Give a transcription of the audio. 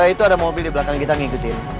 itu ada mobil di belakang kita ngikutin